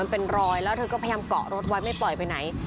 ใกล้หายแล้วก็ต้องก่อรถไว้ก็จะหมาเต็มหนักไปไหน